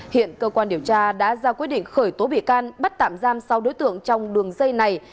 hiện cơ quan điều tra đã ra quyết định khởi tố bị can bắt tạm giam sáu đối tượng trong đường dây này